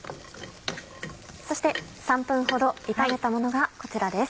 そして３分ほど炒めたものがこちらです。